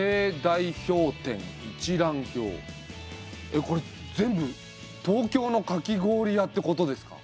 えっこれ全部東京のかき氷屋ってことですか？